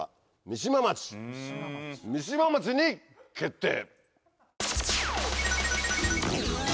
三島町に決定。